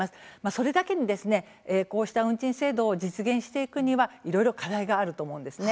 それだけに、こうした運賃制度を実現していくにはいろいろ課題があると思うんです。